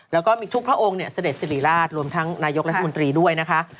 แล้วก็มีทุกพระองค์เนี่ยเสด็จสิริราชรวมทั้งนายกรัฐมนตรีด้วยนะคะ